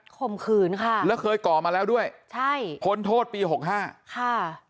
ข่มขืนค่ะแล้วเคยก่อมาแล้วด้วยใช่พ้นโทษปีหกห้าค่ะ